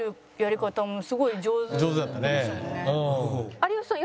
有吉さん